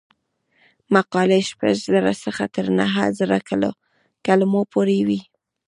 مقالې له شپږ زره څخه تر نهه زره کلمو پورې وي.